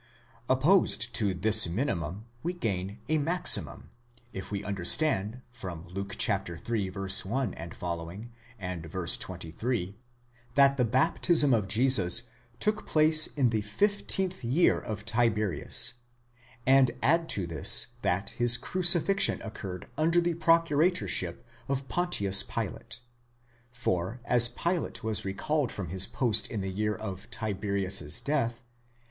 Opposed to this minimum, we gain a maximum, if we understand, from Luke iii. 1 ff. and 23, that the baptism of Jesus took place in the fifteenth year of Tiberius, and add to this that his crucifixion occurred under the pro curatorship of Pontius Pilate. For as Pilate was recalled from his post in the year of Tiberius's death